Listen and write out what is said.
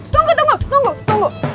tunggu tunggu tunggu